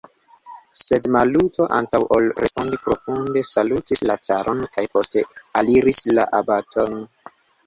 Sed Maluto, antaŭ ol respondi, profunde salutis la caron kaj poste aliris la abaton.